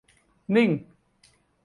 นิ่ง